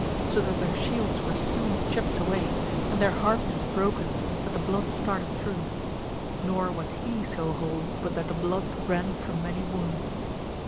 So that their shields were soon chipt away, and their hardness broken that the blood started ^through, nor was he so whole but that the blood ran from many wounds.